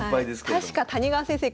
確か谷川先生